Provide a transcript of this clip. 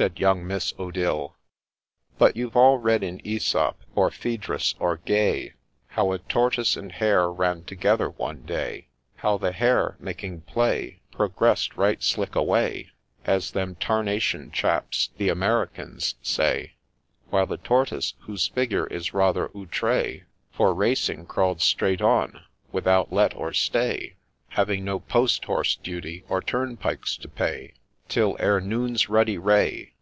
' said young Miss Odille. But you've all read in Aesop, or Phaedrus, or Gay, How a tortoise and hare ran together one day ; How the hare, making play, ' Progress'd right slick away,' As ' them tarnation chaps ' the Americans say ; While the tortoise, whose figure is rather outre For racing, crawl'd straight on, without let or stay, Having no post horse duty or turnpikes to pay, Till, ere noon's ruddy ray